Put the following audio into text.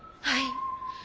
はい。